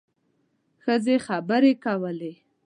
ښځې خبرې کولې.